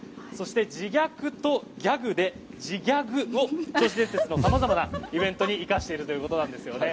そして自虐とギャグでジギャグを銚子電鉄の様々なイベントに生かしているということです。